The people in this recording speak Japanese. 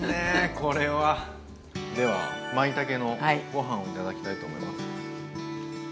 ではまいたけのご飯を頂きたいと思います。